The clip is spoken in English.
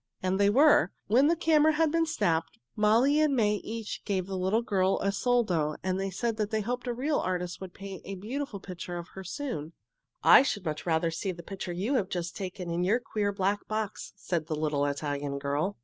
And they were. When the camera had been snapped, Molly and May each gave the little girl a soldo and said they hoped a real artist would paint a beautiful picture of her soon. "I should much rather see the picture you have just taken in your queer, black box," said the little Italian girl.